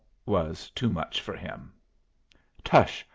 was too much for him. "Tush!